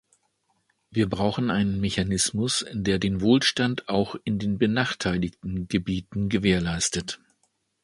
Wir brauchen einen Mechanismus, der den Wohlstand auch in den benachteiligten Gebieten gewährleistet.